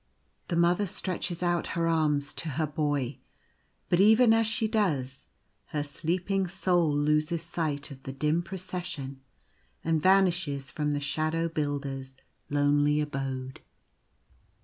The Mother stretches out her arms to her Boy ; but even as she does, her sleeping soul loses sight of the dim Procession and vanishes from the Shadow Builder's lonely abode.